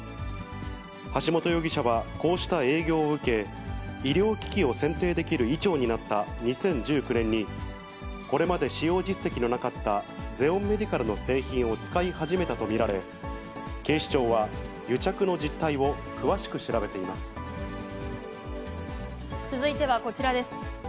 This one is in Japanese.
橋本容疑者はこうした営業を受け、医療機器を選定できる医長になった２０１９年に、これまで使用実績のなかったゼオンメディカルの製品を使い始めたと見られ、警視庁は、続いてはこちらです。